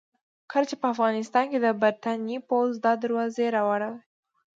کله چې په افغانستان کې د برتانیې پوځ دا دروازې راوړې.